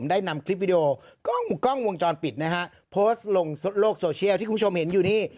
ได้นำคลิปวิดีโอกล้องวงจรปิดนะฮะโพสต์ลงโลกโซเชียลที่คุณผู้ชมเห็นอยู่นี่